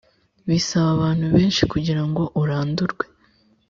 bisaba abantu benshi kugira ngo urandurwe